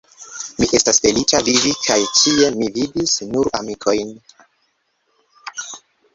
Mi estis feliĉa vivi, kaj ĉie mi vidis nur amikojn.